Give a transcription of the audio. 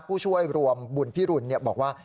ผู้ช่วยรวมบุญพิรุณบอกว่า